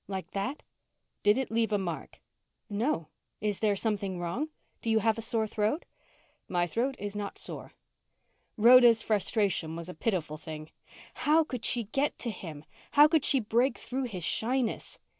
"Like that?" "Did it leave a mark?" "No. Is there something wrong? Do you have a sore throat?" "My throat is not sore." Rhoda's frustration was a pitiful thing. How could she get to him? How could she break through his shyness?